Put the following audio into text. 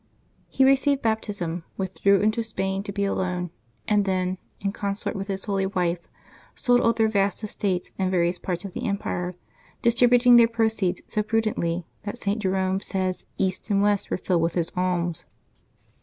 He received baptism, withdrew into Spain to be alone, and then, in consort with his holy wife, sold all their vast estates in various parts of the empire, distributing their proceeds so prudently that St. Jerome says East and West were filled with his alms.